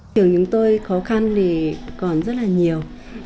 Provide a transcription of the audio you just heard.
trường chúng tôi khó khăn thì còn rất là nhiều